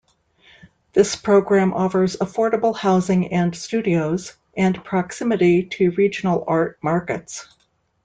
This program offers affordable housing and studios, and proximity to regional art markets.